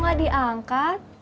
kok gak diangkat